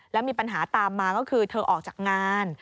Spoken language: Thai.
แล้วมีปัญหาตามมาก็คือเธอออกจากงาน